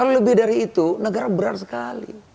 di negara itu negara berat sekali